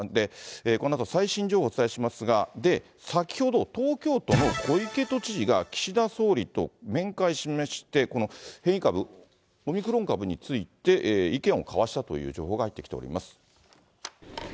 このあと最新情報をお伝えしますが、で、先ほど、東京都の小池都知事が岸田総理と面会しまして、この変異株、オミクロン株について意見を交わしたという情報が入ってきております。